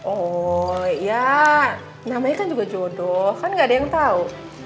oh ya namanya kan juga jodoh kan gak ada yang tahu